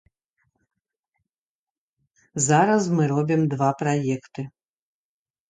Зараз мы робім два праекты.